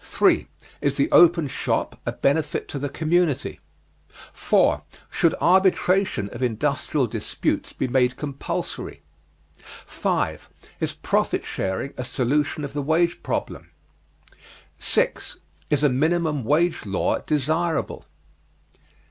3. Is the Open Shop a benefit to the community? 4. Should arbitration of industrial disputes be made compulsory? 5. Is Profit Sharing a solution of the wage problem? 6. Is a minimum wage law desirable?